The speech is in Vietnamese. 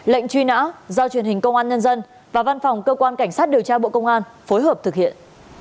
lệnh truy nã do truyền hình công an nhân dân và văn phòng cơ quan cảnh sát điều tra bộ công an phối hợp thực hiện